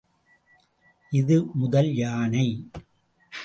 இது முதல் யானை.